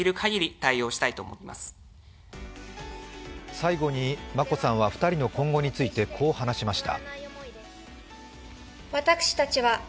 最後に眞子さんは２人の今後について、こう話しました。